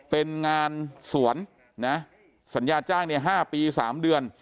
เป็นงานสวนนะสัญญาจ้างเนี่ย๕ปี๓เดือน